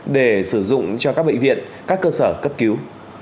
để sử dụng cho các bệnh viện các cơ sở cấp cứu